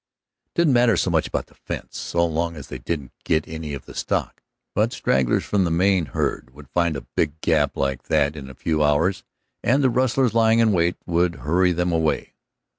It didn't matter so much about the fence, so long as they didn't get any of the stock. But stragglers from the main herd would find a big gap like that in a few hours, and the rustlers lying in wait would hurry them away.